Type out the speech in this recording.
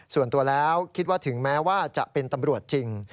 ส่วนตัวแล้วคิดว่าถึงแม้ว่าจะเป็นตำรวจจริง